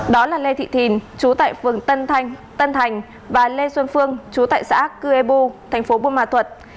đó là lê thị thìn chú tại phường tân thành và lê xuân phương chú tại xã cư e bu tp bumatut